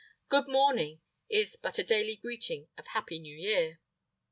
Good morning is but a daily greeting of Happy New Year.